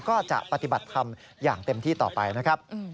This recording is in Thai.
ก็จะปฏิบัติธรรมอย่างเต็มที่ต่อไปนะครับ